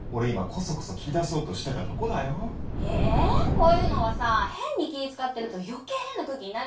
こういうのはさ変に気ぃ使ってると余計変な空気になるから。